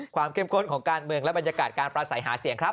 เข้มข้นของการเมืองและบรรยากาศการประสัยหาเสียงครับ